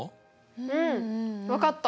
うん分かった！